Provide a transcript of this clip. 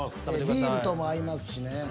ビールとも合いますしね。